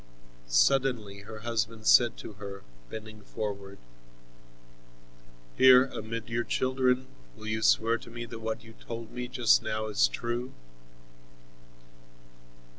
Suddenly her husband said to her, bending forward: "Here, amid your children, will you swear to me that what you told me just now is true?"